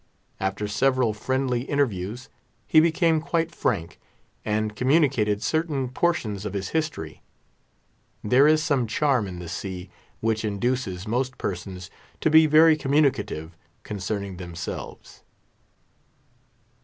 After several friendly interviews he became quite frank, and communicated certain portions of his history. There is some charm in the sea, which induces most persons to be very communicative concerning themselves.